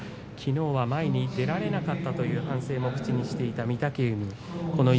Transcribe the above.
きのうは前に出られなかったという反省も口にしていた御嶽海です。